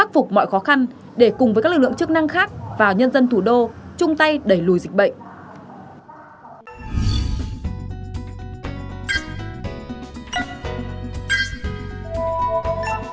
với các lực lượng chức năng khác và nhân dân thủ đô chung tay đẩy lùi dịch bệnh